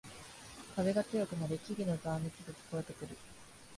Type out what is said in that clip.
風が強くなり木々のざわめきが聞こえてくる